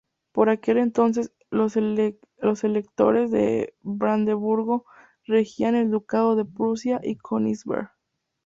Por aquel entonces, los electores de Brandeburgo regían el Ducado de Prusia y Königsberg.